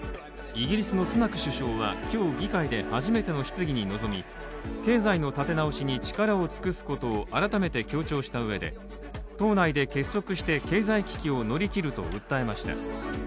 イギリスのスナク首相は今日、議会で初めての質疑に臨み経済の立て直しに力を尽くすことを改めて強調したうえで党内で結束して経済危機を乗り切ると訴えました。